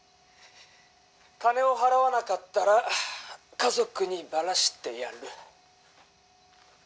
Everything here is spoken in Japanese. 「金を払わなかったら家族にばらしてやる」